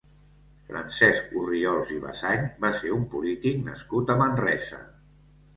Francesc Orriols i Basany va ser un polític nascut a Manresa.